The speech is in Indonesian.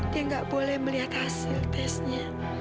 tuhan sudah menerima hasil tes itu